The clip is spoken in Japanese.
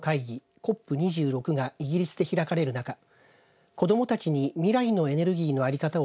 ＣＯＰ２６がイギリスで開かれる中子どもたちに未来のエネルギーのあり方を